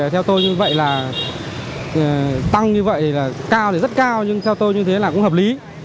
theo tôi như vậy là tăng như vậy là cao thì rất cao nhưng theo tôi như thế là cũng hợp lý